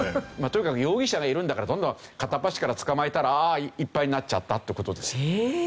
とにかく容疑者がいるんだからどんどん片っ端から捕まえたらああいっぱいになっちゃったという事ですよ。